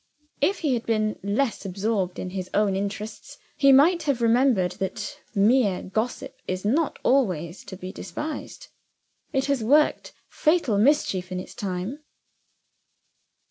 If he had been less absorbed in his own interests, he might have remembered that mere gossip is not always to be despised. It has worked fatal mischief in its time.